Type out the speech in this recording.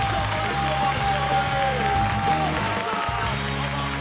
どうも。